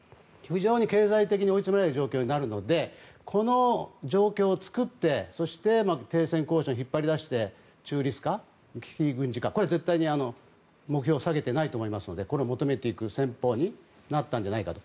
非常に経済的に追い詰められる状況になるのでこの状況を作ってそして停戦交渉に引っ張り出して中立化や非軍事化については絶対に目標を下げてないと思いますのでこれを求めていく戦法になったんじゃないかと。